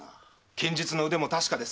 剣術の腕も確かです。